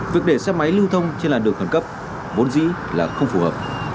việc để xe máy lưu thông trên làn đường khẩn cấp vốn dĩ là không phù hợp